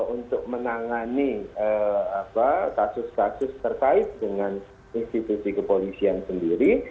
untuk menangani kasus kasus terkait dengan institusi kepolisian sendiri